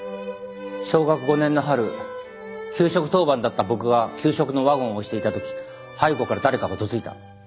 小学５年の春給食当番だった僕が給食のワゴンを押していた時背後から誰かがどついた。